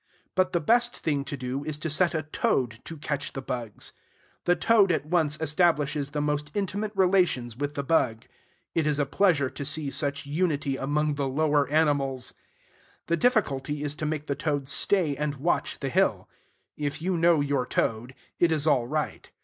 But the best thing to do is to set a toad to catch the bugs. The toad at once establishes the most intimate relations with the bug. It is a pleasure to see such unity among the lower animals. The difficulty is to make the toad stay and watch the hill. If you know your toad, it is all right.